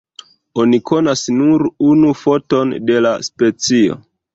Oni konas nur unu foton de la specio.